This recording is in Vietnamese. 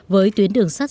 với tuyến đường sắt